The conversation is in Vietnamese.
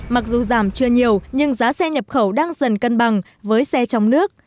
mặc dù giảm chưa nhiều nhưng giá xe nhập khẩu đang dần cân bằng với xe trong nước